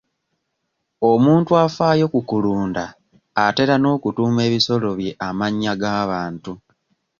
Omuntu afaayo ku kulunda atera n'okutuuma ebisolo bye amannya g'abantu.